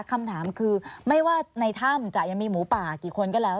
คำถามคือไม่ว่าในถ้ำจะยังมีหมูป่ากี่คนก็แล้ว